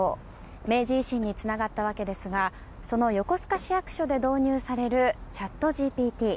明治維新につながったわけですがその横須賀市役所で導入されるチャットＧＰＴ。